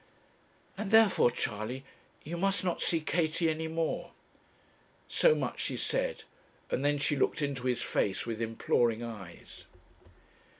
'And therefore, Charley, you must not see Katie any more.' So much she said, and then she looked into his face with imploring eyes.